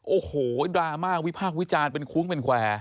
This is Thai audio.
โอ้โหดราม่าวิพากษ์วิจารณ์เป็นคุ้งเป็นแควร์